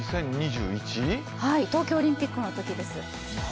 東京オリンピックのときです。